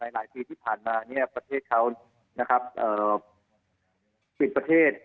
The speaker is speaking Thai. หลายปีที่ผ่านมาประเทศเขาปิดประเทศ